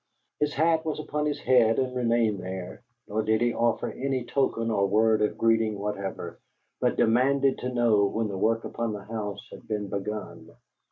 His hat was upon his head, and remained there, nor did he offer any token or word of greeting whatever, but demanded to know when the work upon the house had been begun.